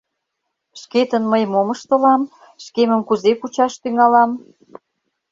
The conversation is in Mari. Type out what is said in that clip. Шкетын мый мом ыштылам, шкемым кузе кучаш тӱҥалам?»